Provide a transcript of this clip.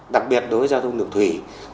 đặc biệt đối với giao thông đường thủy